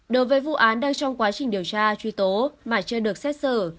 đối với vụ án đang trong quá trình điều tra truy tố mà chưa được xét xử